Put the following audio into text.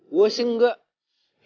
gue sih enggak